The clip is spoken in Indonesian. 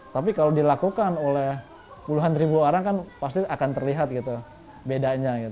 tapi kalau dilakukan oleh puluhan ribu orang kan pasti akan terlihat gitu bedanya